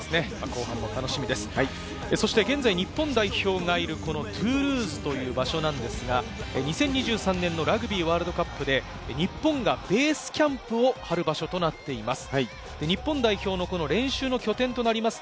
現在、日本代表がいるトゥールーズという場所なんですが、２０２３年のラグビーワールドカップで日本がベースキャンプを張る場所となっています。